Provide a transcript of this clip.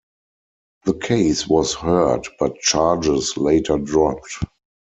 The case was heard but charges later dropped.